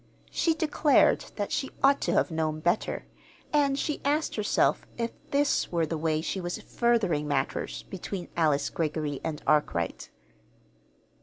She declared that she ought to have known better, and she asked herself if this were the way she was "furthering matters" between Alice Greggory and Arkwright.